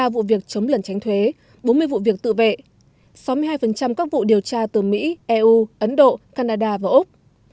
ba mươi vụ việc chống lần tránh thuế bốn mươi vụ việc tự vệ sáu mươi hai các vụ điều tra từ mỹ eu ấn độ canada và úc